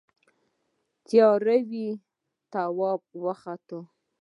تیاره وه تواب وخوت.